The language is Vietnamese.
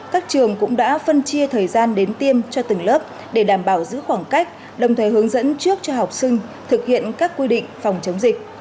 các trường cũng đã phân chia thời gian đến tiêm cho từng lớp để đảm bảo giữ khoảng cách đồng thời hướng dẫn trước cho học sinh thực hiện các quy định phòng chống dịch